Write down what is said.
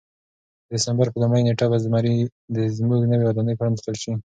د دسمبر په لومړۍ نېټه به زموږ نوې ودانۍ پرانیستل شي.